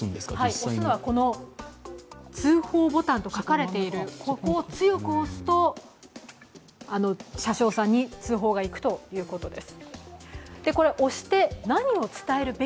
押すのはこの、通報ボタンと書かれている、ここを強く押すと車掌さんに通報がいくということです。